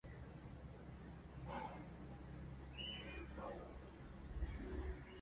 Chanzo cha alama kwenye mwandiko wa Kichina ni picha.